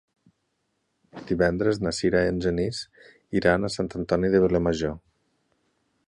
Divendres na Sira i en Genís iran a Sant Antoni de Vilamajor.